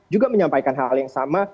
juga menyampaikan hal hal yang sama